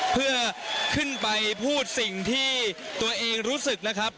เพื่อขึ้นไปพูดสิ่งที่ตัวเองรู้สึกนะครับ